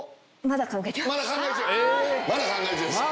まだ考え中です。